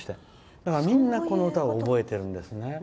だから、みんな、この歌を覚えてるんですね。